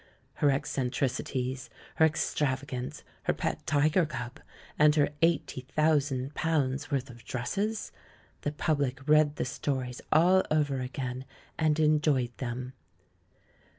Her eccentricities, her extrava gance, her pet tiger cub, and her eighty thousand pounds' worth of dresses — the public read the stories all over again, and enjoyed them.